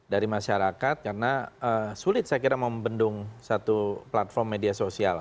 dari masyarakat karena sulit saya kira membendung satu platform media sosial